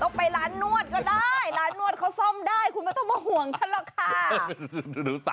ก็ไปร้านนวดก็ได้ร้านนวดเขาซ่อมได้คุณไม่ต้องมาห่วงกันหรอกค่ะ